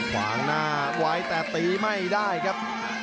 ขวางหน้าไว้แต่ตีไม่ได้ครับ